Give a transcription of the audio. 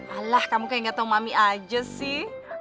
alah kamu kayak gak tau mami aja sih